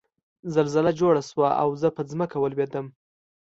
زلزله جوړه شوه او زه په ځمکه ولوېدم